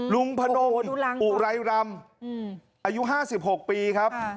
ลุงพนมอุไรรำอายุห้าสิบหกปีครับ